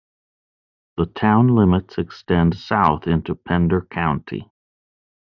The town limits extend south into Pender County.